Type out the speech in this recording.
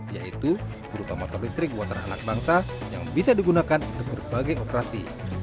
yaitu berupa motor listrik buatan anak bangsa yang bisa digunakan untuk berbagai operasi